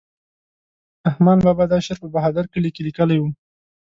رحمان بابا دا شعر په بهادر کلي کې لیکلی و.